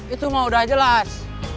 itu mah udah jelas